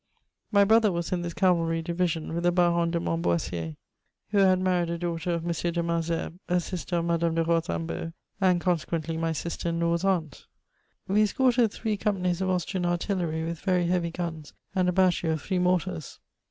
My brother was in this cavalry division, with the Baron de Montboissier, who had married a daughter of M. de Malesherbes, a sister of Madame de Rosambo, and con sequently my sister in law's aunt. We escorted three com panies of Austrian artillery with very heavy g^s and a battery of three mortars.